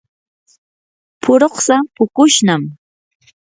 puruksa puqushnam.